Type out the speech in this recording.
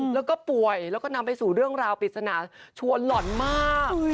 แล้วก็ป่วยแล้วก็นำไปสู่เรื่องราวปริศนาชวนหล่อนมาก